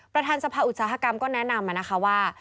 ประธานสภาอุตสาหกรรมก็แนะนำนะคะว่า